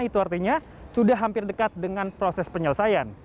itu artinya sudah hampir dekat dengan proses penyelesaian